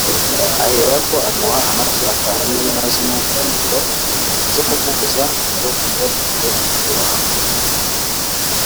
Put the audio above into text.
ahera ko amuha amashyo atanu y’inka z’umureburo (zo kumuhuza ngo yibagirwe iby’iwabo)